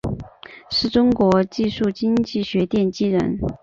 是中国技术经济学奠基人。